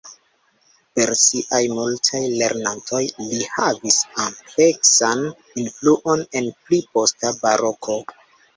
Per siaj multaj lernantoj, li havis ampleksan influon en pli posta Baroko.